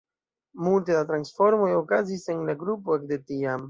Multe da transformoj okazis en la grupo ekde tiam.